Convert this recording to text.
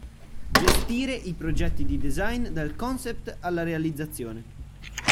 Gestire i progetti di design dal concept alla realizzazione.